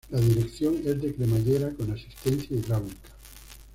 La dirección es de cremallera con asistencia hidráulica.